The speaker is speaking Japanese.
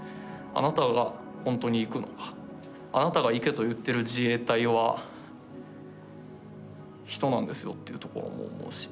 あなたがほんとに行くのかあなたが行けと言ってる自衛隊は人なんですよというところも思うし。